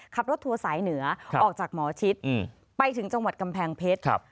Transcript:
ทัวร์สายเหนือออกจากหมอชิดไปถึงจังหวัดกำแพงเพชร